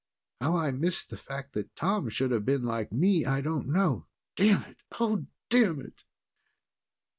How I missed the fact that Tom should have been like me, I don't know. Damn it, oh, damn it!"